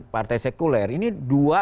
partai sekuler ini dua